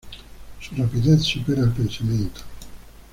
Su rapidez supera el pensamiento.